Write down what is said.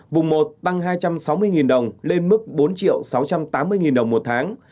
vùng một tăng hai trăm sáu mươi đồng lên mức bốn sáu trăm tám mươi đồng một tháng